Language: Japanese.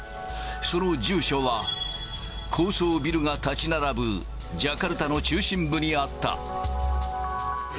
その住所は、高層ビルが建ち並ぶジャカルタの中心部にあった。